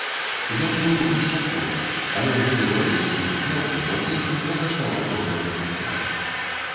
Ён быў мешчанчук, але ў гады рэвалюцыі, не ў прыклад іншым, пакаштаваў добрага жыцця.